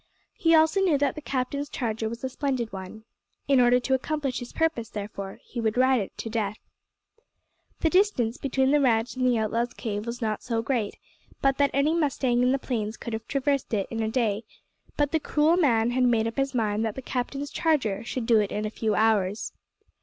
He also knew that the captain's charger was a splendid one. In order to accomplish his purpose, therefore, he would ride it to death. The distance between the ranch and the outlaws' cave was not so great but that any mustang in the plains could have traversed it in a day, but the cruel man had made up his mind that the captain's charger should do it in a few hours.